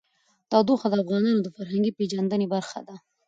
تودوخه د افغانانو د فرهنګي پیژندنې برخه ده.